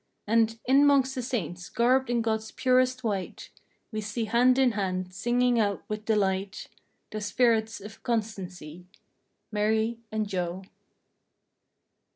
And, in 'mongst the saints, garbed in God's purest white. We see hand in hand, singing out with delight. Those spirits of constancy: "Mary and Joe."